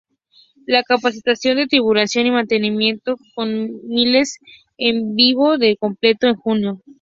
La capacitación de tripulación y mantenimiento con misiles en vivo se completó en junio.